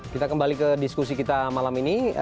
kita kembali ke diskusi kita malam ini